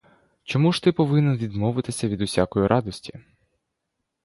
Чому ж ти повинен відмовитися від усякої радості?